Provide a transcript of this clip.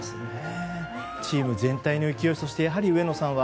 チーム全体の勢いやはり上野さんは